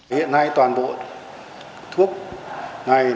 hiện nay toàn bộ thuốc này